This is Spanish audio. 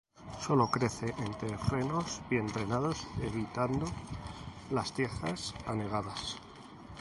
Solo crece en terrenos bien drenados, evitando las tierras anegadas.